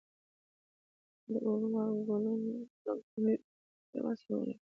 د اوبه لګولو، کرنيزو ځمکو او کلیوالو سړکونو لپاره